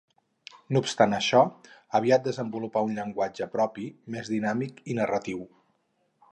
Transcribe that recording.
No obstant això, aviat desenvolupà un llenguatge propi, més dinàmic i narratiu.